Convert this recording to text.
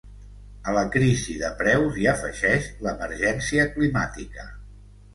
A la crisi de preus, hi afegeix l’emergència climàtica.